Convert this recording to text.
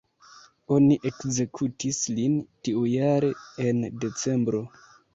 Oni ekzekutis lin tiujare, en decembro.